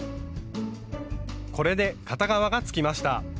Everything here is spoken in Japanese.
これで片側がつきました。